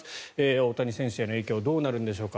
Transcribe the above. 大谷選手への影響どうなるんでしょうか。